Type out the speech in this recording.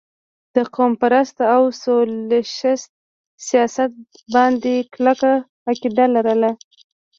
د قوم پرست او سوشلسټ سياست باندې کلکه عقيده لرله